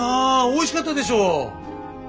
おいしかったでしょ？